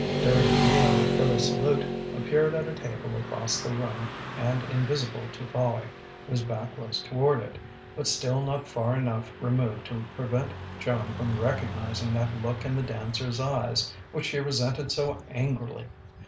During the meal Billy Salute appeared at a table across the room and invisible to Fowey, whose back was toward it, but still not far enough removed to prevent Joan from recognizing that look in the dancer's eyes which she resented so angrily.